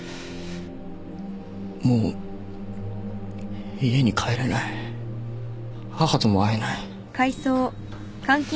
もう家に帰れない母とも会えない。